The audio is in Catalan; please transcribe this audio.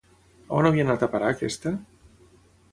On havia anat a parar aquesta?